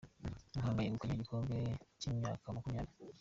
Muhanga yegukanye igikombe cy’imyaka makumyabiri